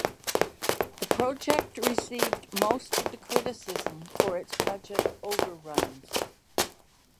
The project received most of the criticism for its budget overruns.